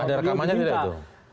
ada rekamannya tidak itu